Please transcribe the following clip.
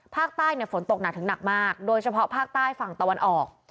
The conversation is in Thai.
ฝนตกหนักถึงหนักมากโดยเฉพาะภาคใต้ฝั่งตะวันออก